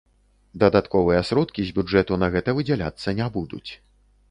Дадатковыя сродкі з бюджэту на гэта выдзяляцца не будуць.